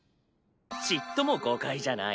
ちっとも誤解じゃない。